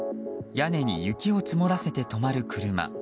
屋根に雪を積らせて止まる車。